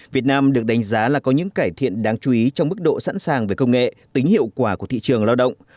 việt nam được đánh giá là có những cải thiện đáng chú ý trong mức độ sẵn sàng về công nghệ tính hiệu quả của thị trường lao động